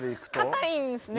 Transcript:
硬いんですね。